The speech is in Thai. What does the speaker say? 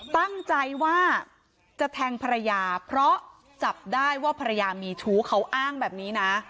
ตั้งใจว่าจะแทงภรรยาเพราะจับได้ว่าภรรยามีชู้เขาอ้างแบบนี้นะ